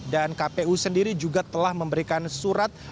kpu sendiri juga telah memberikan surat